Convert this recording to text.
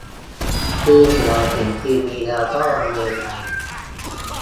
คือเหมือนเห็นทีวีแล้วก็เลยไอ